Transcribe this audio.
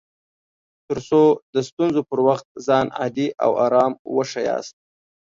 تر څو د ستونزو پر وخت ځان عادي او ارام وښياست